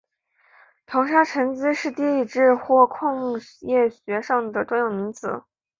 漂砂沉积是地质或矿业学上的专有名词。